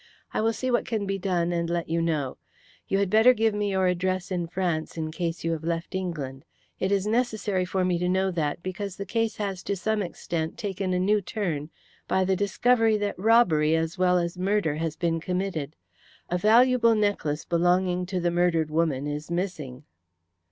"I will see what can be done, and let you know. You had better give me your address in France, in case you have left England. It is necessary for me to know that, because the case has to some extent taken a new turn by the discovery that robbery as well as murder has been committed. A valuable necklace belonging to the murdered woman is missing."